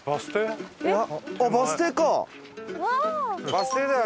バス停だよ